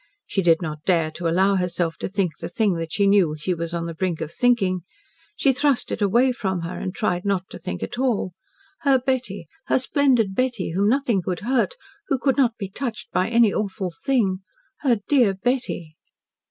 She did not dare to allow herself to think the thing she knew she was on the brink of thinking. She thrust it away from her, and tried not to think at all. Her Betty her splendid Betty, whom nothing could hurt who could not be touched by any awful thing her dear Betty!